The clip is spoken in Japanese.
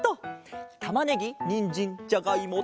たまねぎにんじんじゃがいも